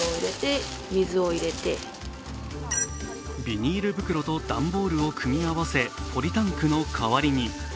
ビニール袋と段ボールを組み合わせポリタンクの代わりに。